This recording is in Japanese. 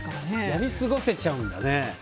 やり過ごせちゃうんだね。